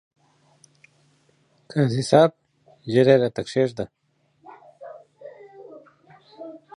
قاضي صاحب! ژر يې راته کښېږده ،